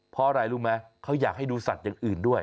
เพราะอะไรรู้ไหมเขาอยากให้ดูสัตว์อย่างอื่นด้วย